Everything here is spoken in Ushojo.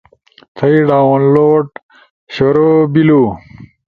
تھئی ڈالؤنلوڈ شروع بلو